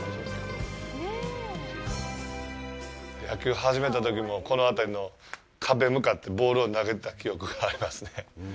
野球始めたときもこの辺りの壁に向かってボールを投げてた記憶がありますね。